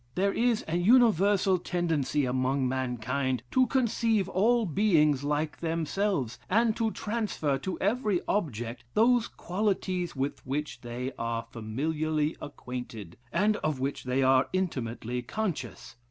There is an universal tendency among mankind to conceive all beings like themselves, and to transfer to every object those qualities with which they are familiarly acquainted, and of which they are intimately conscious.